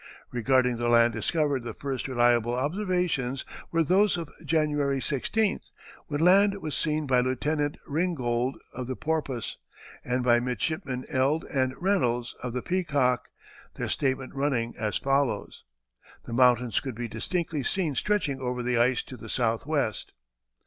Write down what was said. ] Regarding the land discovered the first reliable observations were those of January 16th, when land was seen by Lieutenant Ringgold, of the Porpoise, and by Midshipmen Eld and Reynolds, of the Peacock, their statement running as follows: "The mountains could be distinctly seen stretching over the ice to the southwest."